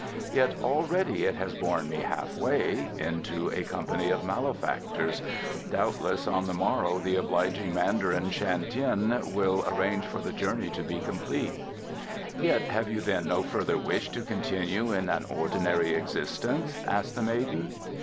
"Yet already it has borne me half way into a company of malefactors. Doubtless on the morrow the obliging Mandarin Shan Tien will arrange for the journey to be complete." "Yet have you then no further wish to continue in an ordinary existence?" asked the maiden.